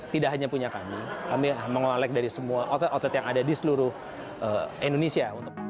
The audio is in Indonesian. tidak hanya punya kami kami mengolek dari semua outlet outlet yang ada di seluruh indonesia